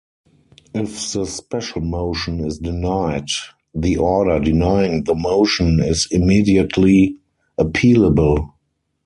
If the special motion is denied, the order denying the motion is immediately appealable.